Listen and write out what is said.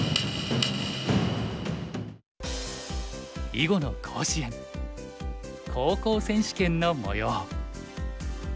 囲碁の甲子園高校選手権のもよう。